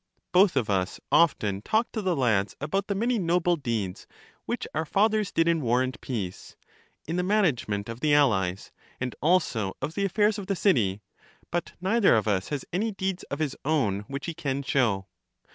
Both of us often talk to the lads about the many noble deeds which our fathers did in war and peace — in the management of the allies, and also of the affairs of the city; but neither of us has any deeds of his own which he can show.